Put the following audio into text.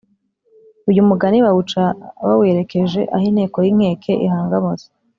uyu mugani bawuca bawerekeje aho inteko y'inkeke ihangamutse;